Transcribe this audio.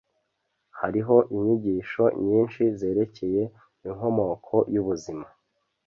hariho inyigisho nyinshi zerekeye inkomoko yubuzima